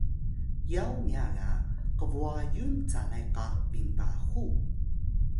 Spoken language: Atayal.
yaw nya ga kbwayun calay qa pinbahu